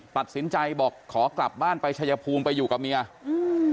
ตัดสินใจบอกขอกลับบ้านไปชายภูมิไปอยู่กับเมียอืม